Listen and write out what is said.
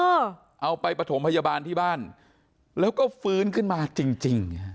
เอาไปปฐมพยาบาลที่บ้านแล้วก็ฟื้นขึ้นมาจริงจริงฮะ